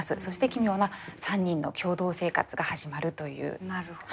そして奇妙な３人の共同生活が始まるという。